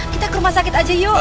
kita ke rumah sakit aja yuk